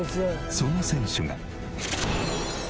その選手が。